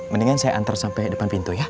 mendingan saya antar sampai depan pintu ya